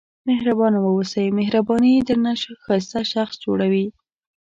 مهربانه واوسئ مهرباني درنه ښایسته شخص جوړوي.